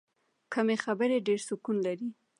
کمې خبرې، ډېر سکون لري.